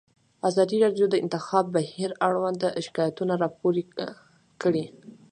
ازادي راډیو د د انتخاباتو بهیر اړوند شکایتونه راپور کړي.